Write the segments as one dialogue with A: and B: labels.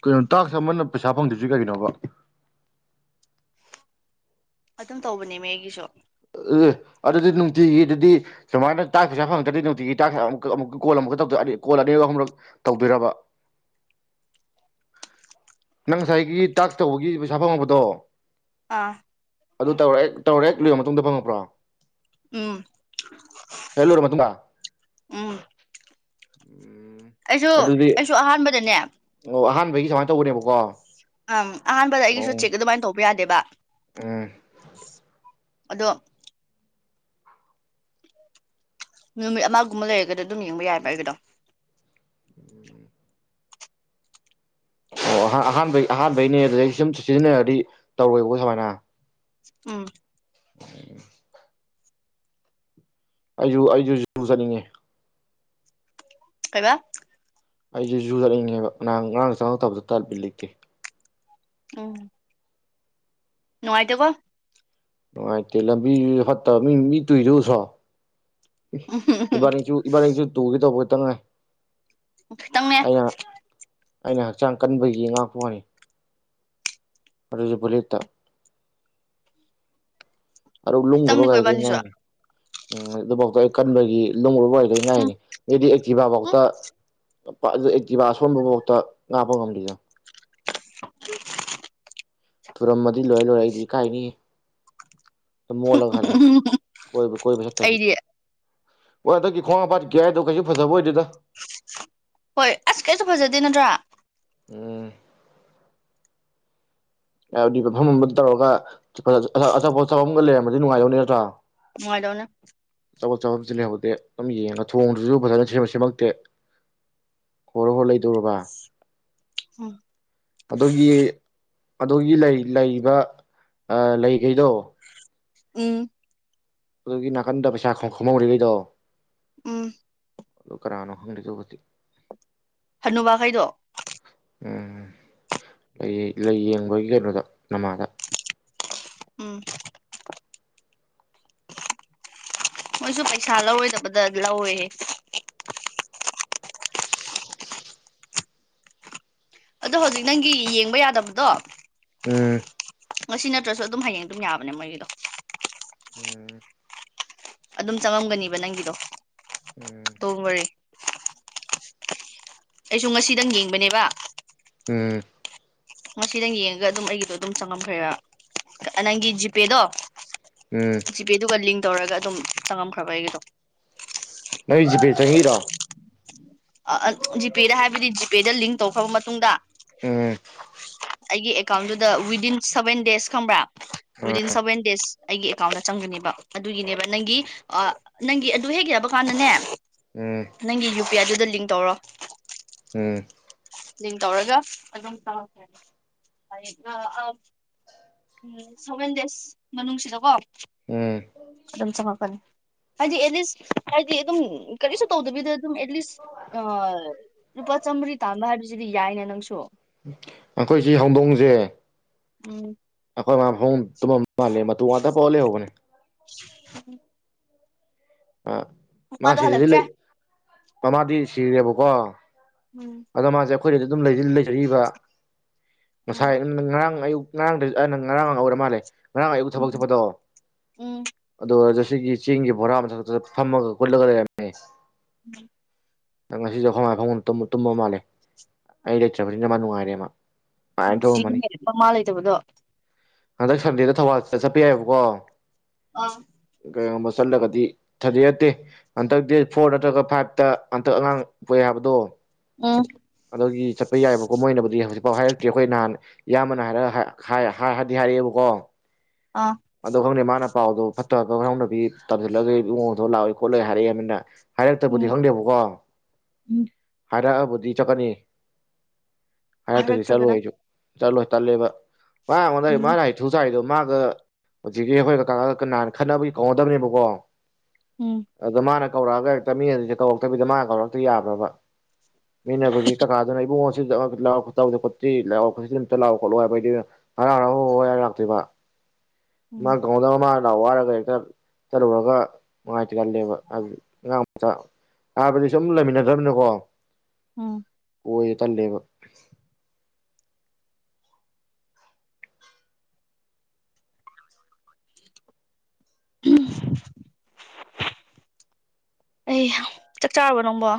A: ꯀꯣ ꯇ ꯁꯝꯕꯅ ꯄꯩꯁꯥ ꯐꯪꯗ꯭ꯁꯤ ꯀꯩꯒꯤꯅꯣꯕ
B: ꯑꯗꯨꯝ ꯇꯧꯕꯅꯦ ꯃ ꯑꯩꯒꯤꯁꯨ
A: ꯑꯦ ꯑꯗꯨꯗꯤ ꯅꯨꯡꯇꯤꯒꯤ ꯑꯗꯨꯗꯤ ꯁꯨꯃꯥꯏꯅ ꯇꯥꯛ ꯄꯩꯁꯥ ꯐꯪꯉꯛꯇ꯭ꯔꯗꯤ ꯅꯨꯡꯇꯤꯒꯤ ꯇꯥꯛ ꯑꯃꯨꯛ ꯑꯃꯨꯛ ꯀꯣꯜ ꯑꯃꯨꯛꯀ ꯀꯣꯜ ꯑꯅꯤ ꯑꯍꯨꯝꯂꯛ ꯇꯧꯗꯣꯏꯔꯕ ꯅꯪ ꯉꯁꯥꯏꯒꯤ ꯇꯥꯛ ꯇꯧꯕꯒꯤ ꯄꯩꯁꯥ ꯐꯪꯉꯛꯄꯗꯣ
B: ꯑꯥ
A: ꯑꯗꯨ ꯇꯧꯔꯦ ꯇꯧꯔꯦ ꯏ ꯃꯇꯨꯡꯗ ꯐꯪꯉꯄ꯭ꯔꯥ
B: ꯎꯝ
A: ꯍꯦꯜꯂꯣ ꯃꯇꯨꯡꯕ
B: ꯎꯝ
A: ꯎ
B: ꯑꯩꯁꯨ
A: ꯑꯗꯨꯗꯤ
B: ꯑꯩꯁꯨ ꯑꯍꯥꯟꯕꯗꯅꯦ
A: ꯑꯣ ꯑꯍꯥꯟꯕ ꯒꯤ ꯁꯃꯥꯏ ꯇꯧꯕꯅꯦꯕ ꯋꯥ
B: ꯑꯝ ꯑꯍꯥꯟꯕꯗ ꯑꯩꯒꯤꯁꯨ ꯆꯦꯛꯛ ꯑꯗꯨꯃꯥꯏꯅ ꯇꯧꯕ ꯌꯥꯗꯦꯕ [inaudible]
A: ꯎꯝ
B: ꯑꯗꯣ ꯅꯨꯃꯤꯠ ꯑꯃꯒꯨꯝꯕ ꯂꯩꯔꯒꯗꯤ ꯑꯗꯨꯝ ꯌꯦꯡꯕ ꯌꯥꯏꯕ ꯍꯥꯏꯒꯗꯣ
A: ꯑꯣ ꯑꯍꯥꯟꯕꯩ ꯑꯍꯥꯟꯕꯩꯅꯦ ꯑꯗꯨꯗꯒꯤ ꯁꯨꯝ ꯁꯤꯖꯤꯟꯅꯔꯗꯤ ꯇꯧꯔꯣꯏꯕꯀꯣ ꯁꯨꯃꯥꯏꯅ
B: ꯎꯝ
A: ꯎꯝ ꯑꯩꯁꯨꯨ ꯑꯩꯁꯨ ꯆꯨꯖꯅꯤꯡꯉꯦ
B: ꯀꯩꯕꯥ
A: ꯑꯩꯁꯦ ꯖꯨ ꯆꯠꯂꯤꯅꯤꯡꯉꯦꯕ ꯑꯥꯡ ꯉꯔꯥꯡ ꯆꯪꯉꯛꯇꯕꯗ ꯇꯠꯄꯤ ꯂꯩꯇꯦ
B: ꯎꯝ ꯅꯨꯡꯉꯥꯏ ꯇꯧꯕꯣ
A: ꯅꯨꯡꯉꯥꯏꯇꯦ ꯂꯝꯕꯤ ꯐꯠꯇꯕ ꯃꯤ ꯃꯤ ꯇꯨꯏꯁꯦ ꯑꯨꯗꯔꯣ
B: ꯎꯝ
A: ꯏꯕꯥ ꯏꯡꯁꯨ ꯏꯕꯥꯁꯨ ꯇꯧꯒ ꯇꯧꯕ ꯇꯉꯥꯏ
B: ꯈꯤꯇꯪꯅꯦ
A: ꯑꯩꯅ ꯍꯛꯆꯥꯡ ꯀꯟꯕꯒꯤ ꯉꯥꯛꯄ ꯋꯥꯅꯤ ꯔꯖ ꯄꯨꯂꯠꯇ ꯑ ꯂꯨꯝꯒꯕ
B: ꯈꯤꯇꯪꯅꯤꯀꯣ
A: ꯀꯥꯏꯈ
B: ꯏꯕꯥꯅꯤꯁꯨ
A: ꯉꯥꯏ ꯎꯝ ꯑꯗꯨꯐꯥꯎꯗꯣ ꯑꯩ ꯀꯟꯂꯣꯏꯒꯤ ꯂ ꯑꯣꯏꯗꯣꯏ ꯉꯥꯏꯅꯤ ꯃꯤꯗꯤ
B: ꯎꯝ
A: ꯑꯦꯛꯇꯤꯚꯥꯕꯥꯎꯇ ꯑꯗꯨ ꯑꯦꯛꯇꯤꯕꯥ ꯑꯁꯣꯟꯕꯐꯥꯎꯇ ꯉꯥꯄ ꯉꯝꯗꯅ
B: [inaudible]
A: ꯇꯨꯔꯝꯃꯗꯤ ꯂꯣꯏꯔ ꯂꯣꯏꯔꯦ ꯑꯩꯗꯤ ꯏ ꯀꯥꯏꯅꯤ ꯃꯣꯂꯒ ꯐꯦ ꯀꯣꯏ ꯀꯣꯏꯕ ꯁꯊꯕꯤ
B: ꯑꯩꯗꯤ
A: ꯍꯣꯏ ꯍꯟꯛꯀꯤ ꯈ꯭ꯋꯥꯡꯝꯄꯥꯠꯀꯤꯌꯥ ꯍꯥꯏꯗꯣ ꯀꯩꯁꯨ ꯐꯖꯕ ꯑꯣꯏꯗꯨꯗ
B: ꯍꯣꯏ ꯑꯁ ꯀꯩꯁꯨ ꯐꯖꯗꯦ ꯅꯠꯇ꯭ꯔꯥ
A: ꯎꯝ ꯍꯥꯏꯕꯗꯤ ꯃꯐꯝ ꯑꯃꯗ ꯇꯧꯔꯒ ꯑꯆꯥꯄꯣꯠꯆꯥꯐꯝ ꯑꯃꯒ ꯂꯩꯔꯝꯝꯕꯗꯤ ꯅꯨꯡꯉꯥꯏꯗꯧꯅꯦ ꯅꯠꯇ꯭ꯔꯥ
B: ꯅꯨꯡꯉꯥꯏꯗꯧꯅꯦ
A: ꯆꯥꯄꯣꯠ ꯆꯥꯄꯝ ꯁꯦ ꯂꯩ [inaudible] ꯗ ꯑꯗꯨꯝ ꯌꯦꯡꯉ ꯊꯣꯡꯗꯨꯁꯨ ꯐꯖꯅ ꯁꯦꯝꯃꯛ ꯁꯦꯝꯃꯛꯇꯦ ꯍꯣꯔꯣꯏ ꯍꯣꯔ ꯂꯩꯗꯣꯏꯔꯕ
B: ꯎꯝ
A: ꯑꯗꯣꯒꯤ ꯑꯗꯨꯒꯤ ꯂꯩꯔꯤꯕ ꯂꯩꯈꯩꯗꯣ
B: ꯎꯝ
A: ꯑꯗꯨꯒꯤ ꯅꯥꯀꯟꯗ ꯄꯩꯁꯥ ꯈꯝꯍꯧꯗ꯭ꯔꯤꯈꯩꯗꯣ
B: ꯎꯝ
A: ꯑꯗꯨ ꯀꯔꯥꯅ ꯍꯪ ꯀꯧꯕꯗꯤ
B: ꯍꯟꯅꯨꯕꯈꯩꯗꯣ
A: ꯎꯝ ꯂꯩ ꯂꯩ ꯌꯦꯡꯕꯒꯤ ꯀꯩꯅꯣꯗ ꯅꯃꯥꯗ
B: ꯎꯝ ꯃꯣꯏꯁꯨ ꯄꯩꯁꯥ ꯂꯧꯔꯣꯏꯗꯕꯗ ꯂꯧꯋꯦꯍꯦ ꯑꯗꯣ ꯍꯧꯖꯤꯛ ꯅꯪꯒꯤ ꯌꯦꯡꯕ ꯌꯥꯗꯕꯗꯣ
A: ꯎ
B: ꯉꯁꯤ ꯅꯠꯇ꯭ꯔꯁꯨ ꯑꯗꯨꯝ ꯍꯌꯦꯡ ꯑꯗꯨꯝ ꯌꯥꯕꯅꯦ ꯃꯣꯏꯒꯤꯗꯣ
A: ꯎꯝ
B: ꯑꯗꯨꯝ ꯆꯪꯉꯝꯒꯅꯤꯕ ꯅꯪꯒꯤꯗꯣ
A: ꯎꯝ
B: ꯣꯝ ꯃꯔꯤ [inaudible] ꯑꯩꯁꯨ ꯉꯁꯤꯗꯪ ꯌꯦꯡꯕꯅꯦꯕ
A: ꯎꯝ
B: ꯉꯁꯤ ꯅꯪ ꯌꯦꯡꯉꯒ ꯑꯗꯨꯝ ꯑꯩꯒꯤꯗꯣ ꯑꯗꯨꯝ ꯆꯪꯉꯝꯈ꯭ꯔꯦꯕ ꯅꯪꯒꯤ ꯖꯤꯄꯦꯗꯣ
A: ꯎꯝ
B: ꯖꯤ ꯄꯦꯗꯨ ꯀꯂꯤ ꯇꯧꯔꯒ ꯑꯗꯨꯝ ꯆꯪꯉꯝꯈ꯭ꯔꯕ ꯑꯩꯒꯤꯗꯣ
A: ꯅꯣꯏ ꯖꯤꯄꯦ ꯆꯪꯉꯤꯔꯣ
B: ꯑ ꯖꯤ ꯄꯦꯗ ꯍꯥꯏꯕꯖꯤ ꯄꯦꯗ ꯂꯤꯡ ꯇꯧꯈ꯭ꯔꯕ ꯃꯇꯨꯡꯗ
A: ꯎꯝ
B: ꯑꯩꯒꯤ ꯑꯦꯀꯥꯎꯟꯗꯨꯗ ꯋꯤꯗꯤꯟ ꯁꯚꯦꯟ ꯗꯦꯁ ꯈꯪꯕ꯭ꯔꯥ
A: ꯎꯝ
B: ꯋꯤꯗꯤꯟ ꯁꯚꯦꯟ ꯗꯦꯁ ꯑꯩꯒꯤ ꯑꯦꯀꯥꯎꯟꯗ ꯆꯪꯒꯅꯦꯕ ꯑꯗꯨꯒꯤꯅꯦꯕ ꯅꯪꯒꯤ ꯑ ꯅꯪꯒꯤ ꯑꯗꯨ ꯍꯦꯛ ꯒꯕ ꯀꯥꯟꯗꯅꯦ
A: ꯎꯝ
B: ꯅꯪꯒꯤ ꯌꯨ ꯄꯤꯌꯥꯗꯨ ꯗꯤꯡ ꯇꯧꯔꯣ
A: ꯎꯝ
B: ꯂꯤꯡ ꯇꯧꯔꯒ ꯑꯗꯨꯝ ꯆꯪꯉꯛꯀꯅꯤ ꯍꯩ ꯅ ꯑꯝ ꯎꯝ ꯁꯚꯦꯟ ꯗꯦꯖ ꯃꯅꯨꯡꯁꯤꯗꯀꯣ
A: ꯎꯝ
B: ꯑꯗꯨꯝ ꯆꯪꯉꯛꯀꯅꯤ ꯍꯥꯏꯗꯤ ꯑꯦꯠꯂꯤꯁ ꯍꯥꯏꯗꯤ ꯑꯗꯨꯝ ꯀꯔꯤꯁꯨ ꯇꯧꯗꯕꯤꯗ ꯑꯗꯨꯝ ꯑꯦꯠꯂꯤꯁ ꯂꯨꯄꯥ ꯆꯥꯝꯃꯔꯤ ꯇꯥꯥꯟꯕ ꯍꯥꯏꯕꯁꯤꯗꯤ ꯌꯥꯏꯅꯦ ꯅꯪꯁꯨ
A: ꯑꯈꯣꯏ ꯁꯤ ꯍꯧꯗꯣꯡꯁꯦ
B: ꯎꯝ
A: ꯐꯔꯥꯝ ꯍꯣꯝ ꯇꯨꯝꯃꯝ ꯃꯜꯂꯦ ꯃꯇꯨ ꯉꯥꯇ ꯄꯑꯥ ꯂꯩꯍꯧꯕꯅꯦ ꯑ ꯃꯥ
B: ꯃꯃꯥꯗꯣ
A: ꯁꯤꯖꯖꯤ
B: ꯍꯜꯂꯛꯇ꯭ꯔꯦ
A: ꯂꯩ ꯃꯃꯥꯗꯤ ꯁꯤꯔꯦꯕꯀꯣ
B: ꯎꯝ
A: ꯑꯗ ꯃꯥꯁꯦ ꯈꯣꯏꯗꯗꯤ ꯑꯗꯨꯝ ꯂꯩꯖꯔꯤꯕ
B: ꯎꯝ
A: ꯉꯁꯥꯏ ꯑ ꯑꯪ ꯉꯔꯥꯡ ꯑꯌꯨꯛ ꯉꯔꯥꯡꯗꯩ ꯑꯩꯅ ꯉꯔꯥꯡ ꯑꯣꯏꯔ ꯃꯥꯜꯂꯦ ꯉꯔ ꯑꯌꯨꯛ ꯊꯕꯛ
B: ꯎꯝ
A: ꯆꯠꯄꯗꯣ
B: ꯎꯝ
A: ꯑꯗꯨ ꯖꯦꯁ ꯁꯤ ꯆꯦꯡꯒꯤ ꯕꯣꯔꯥ ꯃꯊꯛꯇ ꯐꯝꯃꯒ ꯀꯨꯜꯂꯒ ꯂꯩꯔꯝꯃꯦ
B: ꯎꯝ
A: ꯅꯪ ꯉꯁꯤꯖꯨ ꯑꯈꯣꯃꯥ ꯐꯝꯃꯨꯡ ꯇꯨꯝꯃꯨ ꯇꯨꯝꯃ ꯃꯥꯜꯂꯦ ꯑꯩ ꯂꯩꯇ꯭ꯔꯕꯅꯤꯅ ꯃ ꯅꯨꯡꯉꯥꯏꯔꯦ ꯃ
B: ꯅꯨꯡꯁꯤꯅꯦ ꯃꯃꯥ ꯂꯩꯇꯕꯗꯣ
A: ꯍꯟꯗꯛ ꯁꯟꯗꯦꯗ ꯊꯧꯕꯜ ꯆ ꯆꯠꯄ ꯌꯥꯏꯕꯀꯣ
B: ꯑꯥ
A: ꯀꯩꯒꯨꯝꯕ ꯆꯠꯂꯒꯗꯤ ꯊꯥꯖꯦꯠꯇꯦ ꯍꯟꯇꯛ ꯗꯦꯠ ꯐꯣꯔ ꯅꯠꯇ꯭ꯔꯒ ꯐꯥꯏꯚꯇ ꯍꯟꯇꯛ ꯑꯉꯥꯡ ꯄꯣꯑꯦ ꯍꯥꯏꯕꯗꯣ
B: ꯎꯝ
A: ꯗꯒꯤ ꯆꯠꯄ ꯌꯥꯏꯕꯀꯣ ꯃꯣꯏꯅꯕꯨꯗꯤ ꯍꯧꯖꯤꯛꯐꯥꯎ ꯍꯥꯏꯔꯛꯇ꯭ꯔꯤ ꯑꯈꯣꯏ ꯅꯍꯥꯟ ꯏꯌꯥꯝꯕꯅ ꯍꯥꯏꯔꯒ ꯍ ꯍꯥꯏ ꯍꯥꯏ ꯍꯥꯏꯗꯤ ꯍꯥꯏꯔꯦꯑꯦꯕꯀꯣ
B: ꯑꯥ
A: ꯑꯗ ꯈꯪꯗꯦ ꯃꯥ ꯅ ꯄꯥꯎꯗꯣ ꯐꯠꯇ ꯀꯉꯥꯎꯅꯕꯤ ꯇꯝꯁꯤꯜꯂꯒꯤ ꯏꯉꯣꯡ ꯇꯧꯔ ꯂꯥꯛꯑꯣꯏ ꯈꯣꯠꯂꯣꯏ ꯍꯥꯏꯔꯦꯑꯦ ꯃꯤꯅ ꯍꯥꯏꯔꯛꯇꯕꯨꯗꯤ
B: ꯎꯝ
A: ꯈꯪꯗꯦꯕꯀꯣ
B: ꯎꯝ
A: ꯍꯥꯏꯔꯛꯑ ꯄꯨꯗꯤ ꯆꯀꯅꯤ ꯍꯥꯏꯇꯔꯗꯤ ꯆꯠꯂꯣꯏ
B: ꯍꯥꯏꯔꯛꯇ꯭ꯔꯒꯅ
A: ꯑꯩꯖꯨ ꯆꯠꯂꯣꯏ ꯇꯜꯂꯦꯕ ꯃ ꯑꯩꯉꯣꯟꯗ
B: ꯎꯝ
A: ꯃꯥꯅ ꯍꯩꯊꯨ ꯁꯥꯔꯤꯗꯣ ꯃ ꯗ ꯍꯨꯖꯤꯛꯀꯤ ꯑꯈꯣꯏ ꯀꯀꯥꯥꯀꯒ ꯀꯅꯥꯅ ꯈꯟꯅꯕꯒꯤ ꯀꯧꯅꯗꯕꯅꯦꯕ ꯀꯣ
B: ꯎꯝ
A: ꯑꯗ ꯃꯥꯅ ꯀꯧꯔꯛꯑꯒ ꯂꯩꯔꯛꯇꯃꯤ ꯑꯗꯨꯁ ꯀꯧꯔꯛꯇꯕꯤꯗ ꯃꯥ ꯀꯧꯔꯛꯇ ꯌꯥꯕ꯭ꯔꯕ ꯃꯤ ꯍꯧꯖꯤꯛ ꯀꯀꯥꯗꯨꯅ ꯑꯩꯕꯨꯡꯉꯣ ꯈꯣꯠꯇꯤ ꯂꯥꯛꯑꯣ ꯈꯝꯇ ꯂꯥꯛꯑꯣ ꯈꯣꯠꯂꯑꯣ ꯍꯥꯏꯕꯗꯤ ꯍꯔ ꯂꯥꯛꯇꯣꯏꯕ [inaudible]
B: ꯎꯝ
A: ꯃꯥꯒꯗ ꯃꯥ ꯋꯥꯔꯒ ꯇꯔꯨꯔꯒ ꯇꯜꯂꯦꯕꯥ ꯍꯥꯏꯗꯤ ꯑꯕꯗꯤ ꯁꯨꯝ ꯂꯩꯃꯤꯟꯅꯗ꯭ꯔꯕꯅꯀꯣ
B: ꯎꯝ
A: ꯍꯣꯏ ꯇꯂꯦꯕ
B: ꯎ ꯑꯩ ꯆꯥꯛ ꯆꯥꯔꯕ ꯅꯣꯕꯣ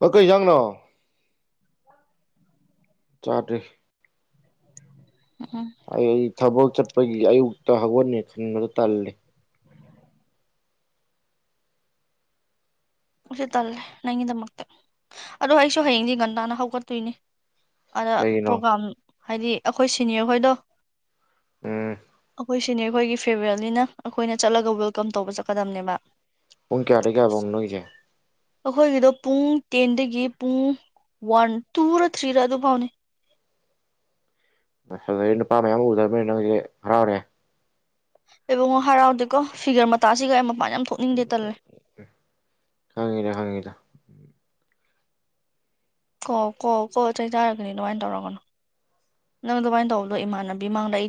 A: ꯍꯣꯏ ꯀꯩ ꯑꯦꯟꯖꯥꯡꯅꯤ ꯆꯥꯗꯔꯤ
B: ꯎꯝ
A: ꯑꯩ ꯊꯕꯛ ꯆꯠ ꯑꯩꯈꯣꯏꯒꯤ ꯑꯌꯨꯛꯇ ꯍꯧꯒꯠꯅꯤ ꯈꯟꯕꯗꯣ ꯇꯜꯂꯦ
B: ꯁꯤ ꯇꯜꯂꯦ ꯅꯪꯒꯤꯗꯃꯛꯇ ꯑꯗ ꯑꯩꯁꯨ ꯍꯌꯦꯡꯗꯤ ꯉꯟꯇꯥꯅ ꯍꯧꯒꯠꯇꯣꯏꯅꯤ ꯑꯗ
A: ꯀꯩꯒꯤꯅꯣ
B: ꯄꯣꯒꯥꯝ ꯍꯥꯏꯗꯤ ꯑꯩꯈꯣꯏ ꯁꯤꯅꯤꯌꯔ ꯍꯣꯏꯗꯣ
A: ꯎꯝ
B: ꯍꯈꯣꯏ ꯁꯤꯅꯦꯌꯔ ꯈꯣꯏꯒꯤ ꯐꯌꯜꯋꯦꯜ ꯑꯩꯈꯣꯏꯅ ꯆꯠꯂꯒ ꯋꯦꯜꯀꯝ ꯇꯧꯕ ꯆꯠꯀꯗꯝꯅꯦꯕ
A: ꯎ ꯀ ꯑꯔꯒꯕ ꯅꯣꯏꯖ
B: ꯑꯩꯈꯣꯏꯒꯤꯗꯣ ꯄꯨꯡ ꯇꯦꯟꯗꯒꯤ ꯄꯨꯡ ꯋꯥꯟ ꯇꯨꯔ ꯊ꯭ꯔꯤꯔ ꯑꯗꯨꯐꯥꯎꯅꯤ
A: ꯗꯒꯤ ꯅꯨꯄꯥ ꯃꯌꯥꯝ ꯑꯃ ꯎꯗ꯭ꯔꯅꯤ ꯅꯪꯁꯦ ꯍꯔꯥꯎꯅꯦꯦ
B: ꯏꯕꯨꯡꯉꯣ ꯍꯔꯥꯎꯗꯦꯀꯣ ꯐꯤꯒꯔ ꯃꯇꯥꯁꯤꯒ ꯃꯥ ꯌꯥꯝ ꯊꯣꯛꯅꯤꯡꯗꯦ ꯇꯜꯂꯦ
A: ꯈꯪꯉꯤꯗ ꯈꯪꯉꯤꯗ
B: ꯀꯣ ꯀꯣ ꯀꯣ ꯆꯩ ꯆꯔꯒꯅꯤ ꯑꯗꯨꯃꯥꯏꯅ ꯇꯧꯔꯒꯅꯨ ꯅꯪ ꯑꯗꯨꯃꯥꯏꯅ ꯇꯧꯕꯗꯣ ꯏꯃꯥꯟꯅꯕꯤ ꯃꯥꯡꯗ ꯑꯩ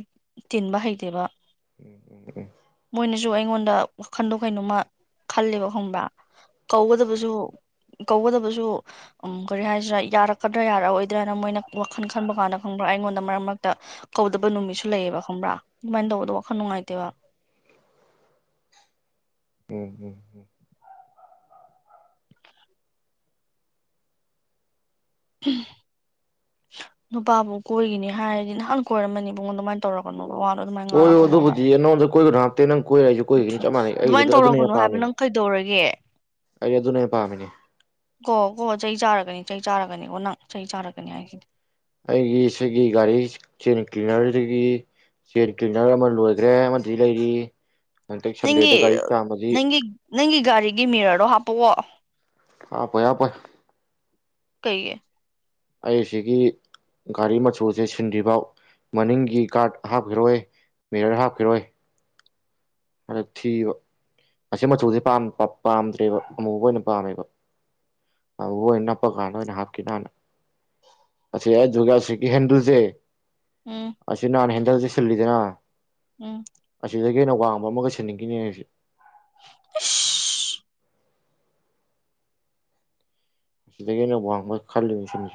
B: ꯇꯤꯟꯕ ꯍꯩꯇꯦꯕ
A: ꯎꯝ ꯎ
B: ꯁꯨ ꯑꯩꯉꯣꯟꯗ ꯋꯥꯈꯟꯗꯣ ꯀꯩꯅꯣꯝꯃ ꯈꯂꯦꯕ ꯈꯪꯕ꯭ꯔꯥ ꯀꯧꯒꯗꯕꯁꯨ ꯀꯧꯒꯗꯕꯁꯨ ꯎ ꯀꯔꯤ ꯍꯥꯏꯁꯤꯔꯥ ꯌꯥꯔꯛꯀꯗ꯭ꯔꯥ ꯌꯥꯔꯛꯑꯣꯏꯗ꯭ꯔꯥꯅ ꯃꯣꯏꯅ ꯋꯥꯈꯜ ꯈꯟꯕ ꯀꯥꯟꯗ ꯈꯪꯕ꯭ꯔꯥ ꯑꯩꯉꯣꯟꯗ ꯃꯔꯛ ꯃꯔꯛꯇ ꯀꯧꯗꯕ ꯅꯨꯃꯤꯠꯁꯨ ꯂꯩꯌꯦꯕ ꯈꯪꯕ꯭ꯔꯥ ꯑꯗꯨꯃꯥꯏꯅ ꯇꯧꯕꯗꯣ ꯋꯥꯈꯜ ꯅꯨꯡꯉꯥꯏꯇꯦꯕ
A: ꯎꯝ ꯎꯝ ꯎꯝ
B: ꯎ ꯅꯨꯄꯥꯕꯨ ꯀꯣꯏꯈꯤꯅꯤ ꯍꯥꯏꯔꯗꯤ ꯅꯍꯥꯟ ꯀꯣꯏꯔꯝꯃꯅꯤ ꯃꯕꯨꯡꯉꯣꯟ ꯑꯗꯨꯃꯥꯏꯅ ꯇꯧꯔꯛꯀꯅꯣ
A: ꯑꯣ ꯑꯣꯣꯕꯨ ꯄꯨꯖꯤꯅꯗꯣꯏ ꯍꯥꯟꯇꯅ
B: ꯎ ꯑꯗꯨꯃꯥꯏꯅ ꯇꯧꯔꯛꯄꯅꯨ ꯍꯥꯏꯕ
A: ꯄꯥꯝꯃꯤꯅꯤ
B: ꯅꯪ ꯀꯩꯗꯧꯔꯒꯦ
A: ꯑꯩ ꯑꯗꯨꯅ ꯍꯦꯟꯅ ꯄꯥꯝꯃꯤꯅꯤ
B: ꯀꯣ ꯀꯣ ꯆꯍꯤ ꯆꯥꯔꯒꯅꯤ ꯆꯩ ꯆꯥꯔꯛꯀꯅꯤꯀꯣ ꯅꯪ ꯆꯍꯤ ꯆꯥꯔꯛꯀꯅꯤ ꯍꯥꯏꯈꯤꯅꯦ
A: ꯑꯩꯒꯤ ꯁꯤꯒꯤ ꯒꯥꯔꯤ ꯆꯦꯟ ꯀ꯭ꯂꯤꯅꯔꯗꯒꯤ ꯆꯦꯟ ꯀ꯭ꯂꯤꯅꯔ ꯑꯃ ꯂꯣꯏꯈ꯭ꯔꯦ ꯑꯃꯗꯤ ꯂꯩꯔꯤ ꯍꯟꯇꯛ
B: ꯅꯪꯒꯤ
A: ꯁꯟꯗꯦꯗ ꯒꯥꯔꯤ ꯆꯥꯝꯃꯗꯤ
B: ꯅꯪꯒꯤ ꯅꯪꯒꯤ ꯒꯥꯔꯤꯒꯤ ꯃꯤꯔꯔꯗꯣ ꯍꯥꯞꯄꯛꯑꯣ
A: ꯍꯥꯞꯄꯣꯏ ꯍꯥꯞꯄꯣꯏ
B: ꯀꯩꯦ
A: ꯑꯩꯁꯤꯒꯤ ꯒꯥꯔꯤ ꯃꯆꯨꯁꯦ ꯁꯤꯟꯗ꯭ꯔꯤꯐꯥꯎ ꯃꯅꯤꯡꯒꯤ ꯒꯥꯥꯔꯗ ꯍꯥꯞꯈꯤꯔꯣꯏ ꯃꯤꯦꯔꯔ ꯍꯥꯞꯈꯤꯔꯣꯏ ꯍꯗꯛ ꯊꯤꯕ ꯑꯁꯤ ꯃꯆꯨꯁꯦ ꯄꯥꯝꯗ꯭ꯔꯦꯕ ꯑꯃꯨꯕ ꯑꯣꯏꯅ ꯄꯥꯝꯃꯦꯕ ꯑꯃꯨꯕ ꯑꯣꯏꯅ ꯅꯞꯄ ꯀꯥꯟꯗ ꯑꯣꯏꯅ ꯍꯥꯞꯀꯅ ꯍꯥꯟꯅ ꯑꯁꯤ ꯑꯩ ꯖꯨꯁꯤꯀꯤ ꯍꯦꯟꯗꯨꯁꯦ
B: ꯎꯝ
A: ꯑꯁꯤꯁ ꯅꯅꯥꯅꯦ ꯍꯦꯟ ꯏꯗꯗꯤ ꯆꯜꯂꯤꯗꯅ
B: ꯎꯝ
A: ꯌꯦꯅꯕ ꯑꯃꯒ ꯁꯟꯅꯤꯡꯈꯤꯅꯦ ꯍꯥꯏꯁꯦ
B: [inaudible]
A: ꯁꯤꯗꯩꯅꯕꯣ ꯈꯂꯤ ꯃꯁꯅꯤ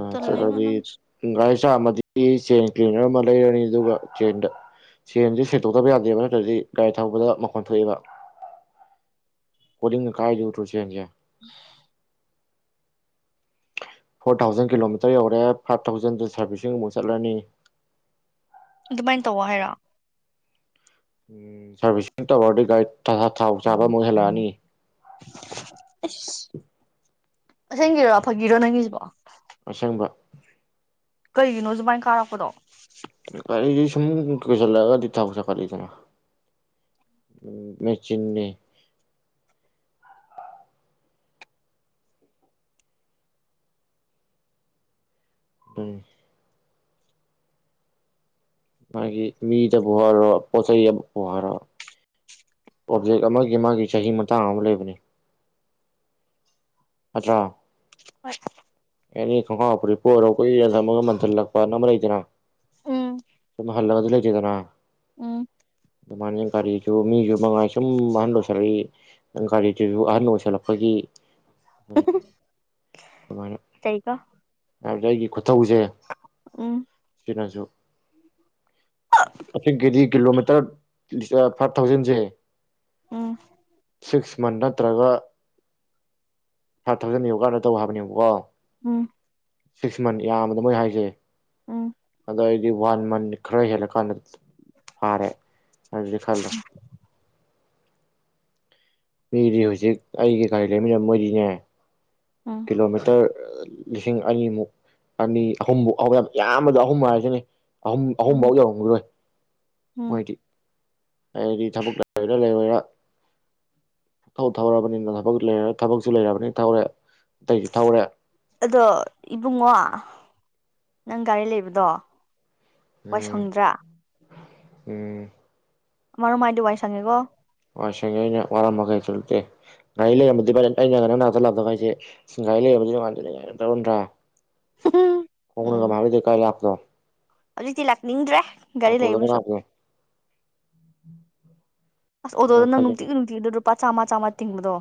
A: ꯑ
B: ꯇꯜꯂꯦꯉꯣ ꯅꯪꯁꯨ
A: ꯆꯠꯗꯤꯒ ꯃꯆꯥ ꯑꯃꯗꯤ ꯆꯦꯟ ꯀ꯭ꯂꯤꯅꯔ ꯑꯃ ꯂꯩꯔꯅꯤ ꯑꯗꯨꯒ ꯆꯦꯟꯗ ꯆꯦꯟꯁ ꯁꯦꯡꯇꯣꯛꯇꯕ ꯌꯥꯗꯦꯕ ꯅꯠꯇ꯭ꯔꯗꯤ ꯒꯥꯔꯤ ꯊꯧꯕꯗ ꯃꯈꯣꯟ ꯊꯣꯛꯑꯦꯕ ꯀꯣꯂꯤ ꯀꯥꯏꯗ ꯎ ꯇ꯭ꯔꯨꯁꯖꯦ
B: [inaudible]
A: ꯐꯣꯔ ꯊꯥꯎꯖꯟ ꯀꯤꯂꯣꯃꯤꯇꯔ ꯌꯧꯔꯦ ꯐꯥꯏꯚ ꯊꯥꯎꯖꯟꯗ ꯁꯥꯔꯚꯤꯁꯁꯤꯡ ꯑꯃꯨꯛ ꯆꯠꯂꯅꯤ
B: ꯑꯗꯨꯃꯥꯏꯅ ꯇꯧꯋ ꯍꯥꯏꯔꯑꯣ
A: ꯎꯝ ꯁꯔꯚꯤꯁꯁꯤ ꯇꯋꯥꯔꯗꯤ ꯥꯏꯠ ꯊꯥꯎ ꯆꯥꯕ ꯑꯃ ꯍꯦꯜꯂꯛꯑꯅꯤ
B: ꯑꯁ ꯑꯁꯦꯡꯒꯤꯔ ꯐꯥꯒꯤꯔꯣ ꯅꯪꯒꯤꯁꯤꯕꯣ
A: ꯑꯁꯪꯕ
B: ꯀꯩꯒꯤꯅꯣ ꯁꯨꯃꯥꯏꯅ ꯀꯥꯔꯛꯄꯗꯣ
A: ꯀꯔꯤ ꯊꯨꯝ ꯀꯩꯁꯂꯒꯗꯤ ꯊꯒ ꯁ ꯈꯂꯤꯗꯃ ꯃꯦ ꯆꯤꯟꯅꯤ ꯥꯏ ꯃꯥꯒꯤ ꯃꯤꯗ ꯍꯔꯣ ꯄꯣꯊ ꯆꯩ ꯄꯍꯥꯔꯣ ꯄꯕꯖꯦꯛ ꯑꯃꯒꯤ ꯃꯥꯒꯤ ꯆꯍꯤ ꯃꯇꯥꯡ ꯑꯃ ꯂꯩꯕꯅꯤ ꯑꯆꯥꯥ
B: ꯍꯣꯏ
A: ꯑꯦꯅꯤ ꯀꯉ ꯄ ꯑꯣꯏꯔ ꯀꯨꯏꯔ ꯊꯝꯃꯒ ꯃꯟꯊꯜꯂꯛꯄ ꯅꯝꯕ ꯂꯩꯇꯅ
B: ꯎꯝ
A: ꯣ ꯍꯂ ꯃꯗ ꯂꯩ ꯗꯅꯥ
B: ꯎꯝ
A: ꯃꯃꯅꯤ ꯀꯔꯤꯁꯨ ꯃꯤꯁꯨ ꯃꯉ ꯁꯨꯝ ꯑꯍꯟ ꯑꯣꯏꯁꯜꯂꯛꯏ ꯒꯥꯔꯤꯗꯨꯁꯨ ꯑꯍꯟ ꯑꯣꯏꯁꯜꯂꯛꯄꯒꯤ
B: ꯇꯩꯀꯣ
A: ꯍꯥꯏ ꯑꯩ ꯈꯨ ꯇꯧꯁꯦ ꯁꯤꯅꯁꯨ ꯀꯆꯤꯡ ꯀꯦꯗꯤ ꯀꯤꯂꯣꯃꯤꯇꯔ ꯐꯥꯏꯚ ꯊꯥꯎꯖꯟꯁꯦ
B: ꯎꯝ
A: ꯁꯤꯛꯁ ꯃꯟ ꯅꯠꯇ꯭ꯔꯒ ꯐꯥꯏꯚ ꯊꯥꯎꯖꯟ ꯌꯣꯒꯥꯅ ꯇꯧ ꯍꯥꯏꯕꯅꯦꯕꯀꯣ
B: ꯎꯝ
A: ꯁꯤꯛꯁ ꯃꯟ ꯌꯥꯝꯃꯕꯗ ꯃꯣꯏ ꯍꯥꯏꯁꯦ
B: ꯎꯝ
A: ꯑꯗꯤ ꯋꯥꯍꯟ ꯃꯟ ꯈꯔ ꯍꯦꯜꯂ ꯀꯥꯟꯗ ꯐꯔꯦ ꯑꯗꯨꯗꯤ ꯈꯥꯜꯂꯣ ꯃꯤꯗꯤ ꯍꯧꯖꯤꯛ ꯑꯩꯒꯤ ꯒꯥꯔꯤ ꯂꯩꯃꯤꯟꯅ ꯃꯣꯏꯗꯤꯅꯦ
B: ꯎꯝ
A: ꯀꯤꯂꯣꯃꯤꯇꯔ ꯂꯤꯁꯤꯡ ꯑꯅꯤꯃꯨꯛ ꯑꯅꯤ ꯑꯍꯨꯝꯃꯨꯛ ꯌꯥꯝ ꯌꯥꯝꯕꯗ ꯑꯍꯨꯝ ꯍꯥꯏꯁꯤꯅꯦ ꯑꯍꯨꯝ
B: ꯎꯝ
A: ꯑꯍꯨꯝꯐꯥꯎ ꯌꯧꯔꯝꯒꯤꯔꯣꯏ
B: ꯎꯝ
A: ꯃꯣꯏꯗꯤ ꯍꯥꯏꯗꯤ ꯊꯕꯛ ꯂꯩꯔꯣꯏꯔꯥ ꯂꯩꯔꯣꯏꯔꯥ ꯊꯧ ꯊꯧꯔꯕꯅꯤꯅ ꯊꯕꯛ ꯊꯕꯛꯁꯨ ꯂꯩꯔꯕꯅꯤꯅ ꯊꯧꯔꯦ ꯑꯇꯩꯁꯨ ꯊꯧꯔꯦ
B: ꯑꯗꯣ ꯏꯕꯨꯡꯉꯣ ꯅꯪ ꯒꯥꯔꯤ ꯂꯩꯕꯗꯣ
A: ꯎꯝ
B: ꯋꯥꯏꯁꯪꯗ꯭ꯔꯥ
A: ꯎꯝ
B: ꯃꯥꯔꯣ ꯃꯥꯏꯗꯨ ꯋꯥꯏ ꯁꯪꯉꯦꯀꯣ
A: ꯋꯥ ꯁꯦꯡꯉꯦ ꯑꯩꯅ ꯋꯥꯔꯝꯕ ꯀꯩꯁꯨꯇꯦ ꯒꯥꯔꯤ ꯂꯩꯔꯝꯝꯕꯗꯤ ꯑꯩꯅ ꯉꯩꯅ ꯅꯥꯊꯜ ꯂꯥꯛꯄ ꯍꯥꯏꯁꯦ ꯒꯥꯔꯤ ꯂꯩꯔꯝꯝꯕꯗꯤꯥꯟꯗꯥꯏ ꯇꯧꯔꯗ꯭ꯔꯥ ꯀꯅꯒꯕꯤꯗ ꯀꯥꯏ ꯂꯥꯛꯗ [unintelligible]
B: ꯑꯗꯨꯗꯤ ꯇꯤꯂꯥꯛꯅꯤꯗ꯭ꯔꯦ ꯒꯥꯔꯤ ꯂꯠꯕ
A: ꯑꯣꯇꯣꯗꯒ
B: ꯆꯨ
A: ꯂꯥꯛꯄꯗꯣ
B: ꯑꯁ
A: ꯑꯗꯨ
B: ꯑꯣꯇꯣꯗ
A: ꯈꯜꯂꯤꯅꯤ
B: ꯅꯨꯡꯇꯤꯒꯤ ꯅꯨꯡꯇꯤ ꯃꯆꯥꯥꯝꯃ ꯆꯥꯃ ꯇꯤꯡꯕꯗꯣ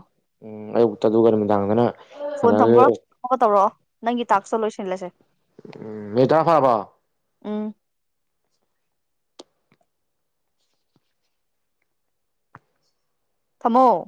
A: ꯎꯝ ꯑꯌꯨꯛꯇ ꯑꯗꯨꯒ ꯅꯨꯃꯤꯗꯥꯡꯗꯅ
B: ꯐꯣꯟ ꯊꯝꯈ꯭ꯔꯣ ꯑꯃꯨꯛꯀ ꯇꯧꯔꯛꯑꯣ ꯅꯪꯒꯤ ꯇꯥꯛꯁꯇꯣ ꯂꯣꯏꯁꯤꯜꯂꯁꯦ
A: ꯎꯝ ꯃꯤ ꯇꯔꯥ ꯐꯔꯕꯣ
B: ꯎꯝ ꯊꯃꯣ